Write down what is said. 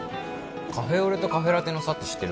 カフェオレとカフェラテの差って知ってる？